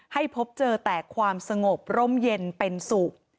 ให้พบเจอแต่ความสงบร่มเย็นเป็นสุข